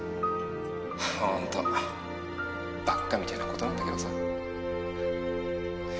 ホントバカみてえなことなんだけどさ。